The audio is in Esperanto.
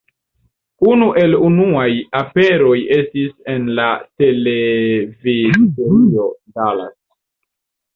Unu el unuaj aperoj estis en la televidserio Dallas.